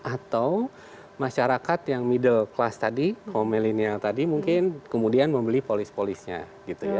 atau masyarakat yang middle class tadi kaum milenial tadi mungkin kemudian membeli polis polisnya gitu ya